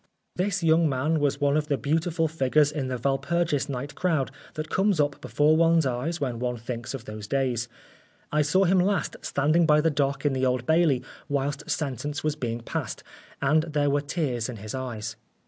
This young man was one of the beautiful figures in the Walpurgis night crowd that comes up before one's eyes when one thinks of those days. I saw him last standing by the dock in the Old Bailey whilst sentence was being passed, and there were tears in his eyes.